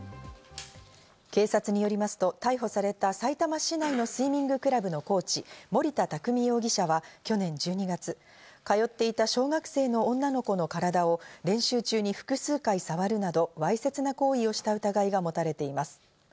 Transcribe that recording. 警察によりますと逮捕された、さいたま市内のスイミングクラブのコーチ、森田匠容疑者は去年１２月、通っていた小学生の女の子の体を練習中に複数回さわるなどわいせつな行為をした疑いが持たれています。